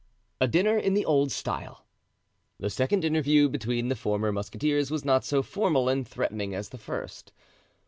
A Dinner in the Old Style. The second interview between the former musketeers was not so formal and threatening as the first.